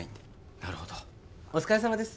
なるほどお疲れさまです